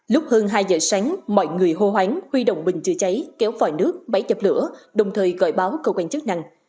lúc hơn hai giờ sáng mọi người hô hoáng huy động bình chữa cháy kéo vòi nước máy chập lửa đồng thời gọi báo cơ quan chức năng